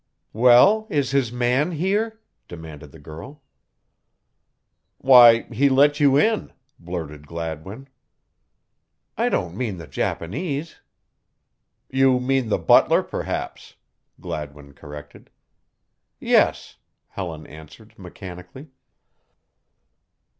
"Well, is his man here?" demanded the girl. "Why, he let you in," blurted Gladwin. "I don't mean the Japanese." "You mean the butler, perhaps," Gladwin corrected. "Yes," Helen answered mechanically.